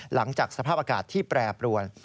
หลังจากสภาพอากาศที่แปรปรวน